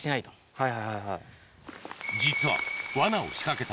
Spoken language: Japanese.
はい。